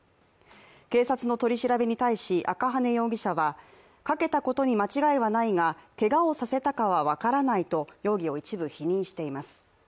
警察の取り調べに対し赤羽容疑者は、かけたことに間違いはないがけがをさせたかは分からないと容疑を一部否認しています。